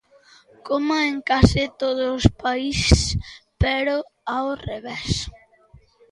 Coma en case todos o país, pero ao revés.